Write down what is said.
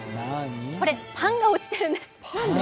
これパンが落ちているんです。